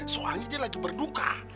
soalnya dia lagi berduka